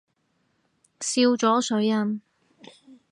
笑咗水印